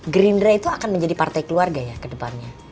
green dry itu akan menjadi partai keluarga ya kedepannya